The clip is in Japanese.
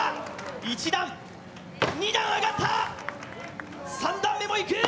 １段、２段上がった、３段目も行く。